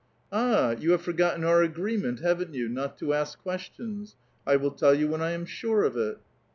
"All, you have forgotten our agreement, haven't you, not to ask questions? I will tell you when I am sure of it."